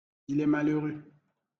Il est malheureux